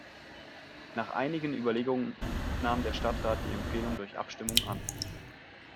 Nach einigen Überlegungen nahm der Stadtrat die Empfehlung durch Abstimmung an.